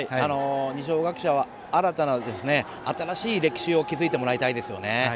二松学舎は新たな新しい歴史を築いてもらいたいですよね。